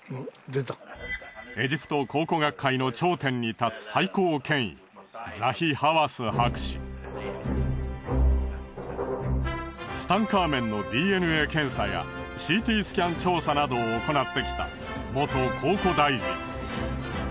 エジプト考古学界の頂点に立つ最高権威ツタンカーメンのＤＮＡ検査やＣＴスキャン調査などを行ってきた元考古大臣。